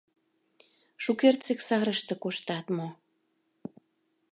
— Шукертсек сарыште коштат мо?